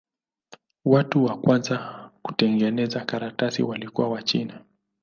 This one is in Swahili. Watu wa kwanza kutengeneza karatasi walikuwa Wachina.